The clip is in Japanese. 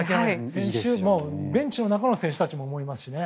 ベンチの中の選手たちも思いますしね。